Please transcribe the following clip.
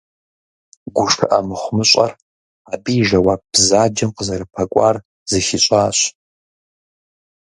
ГушыӀэ мыхъумыщӀэр, абы и жэуап бзаджэм къызэрыпэкӀуар зыхищӀащ.